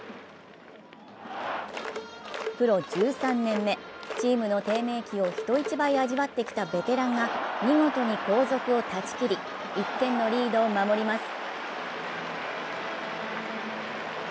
プロ１３年目、チームの低迷期を人一倍味わってきたベテランが見事に後続を断ち切り、１点のリードを守ります。